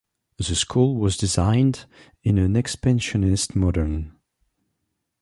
The school was designed in an expressionist modern.